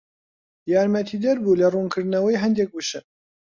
یارمەتیدەر بوو لە ڕوونکردنەوەی هەندێک وشە